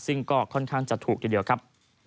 ซึ่งก็ค่อนข้างจะถูกทีเดียวครับ